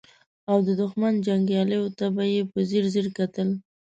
او د دښمن جنګياليو ته به يې په ځير ځير کتل.